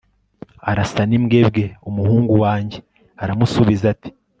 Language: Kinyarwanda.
arasa n'imbwebwe umuhungu wanjye, aramusubiza ati